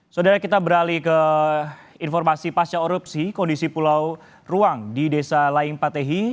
saudara kita beralih ke informasi pasca erupsi kondisi pulau ruang di desa lain patehi